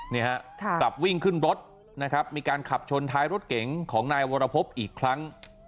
นี่ฮะกลับวิ่งขึ้นรถนะครับมีการขับชนท้ายรถเก๋งของนายวรพบอีกครั้ง